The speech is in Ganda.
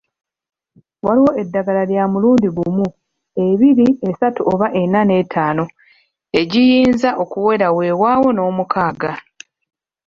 Waliwo eddagala lya mulundi gumu, ebiri, esatu oba ena n’etaano egiyinza okuwera wewaawo n’omukaaga.